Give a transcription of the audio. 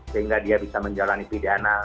sehingga dia bisa menjalani pidana